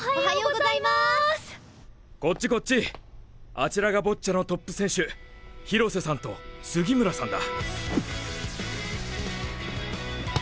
あちらがボッチャのトップ選手廣瀬さんと杉村さんだ。